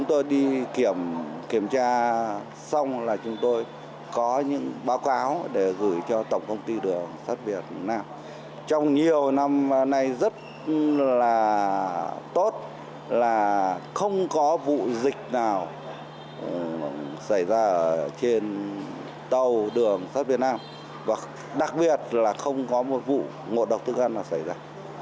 trong nhiều năm nay rất là tốt là không có vụ dịch nào xảy ra trên tàu đường sắp việt nam và đặc biệt là không có một vụ ngộ độc tức ăn xảy ra